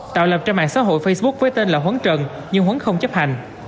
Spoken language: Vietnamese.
tạo lập trên mạng xã hội facebook với tên là huấn trần nhưng huấn không chấp hành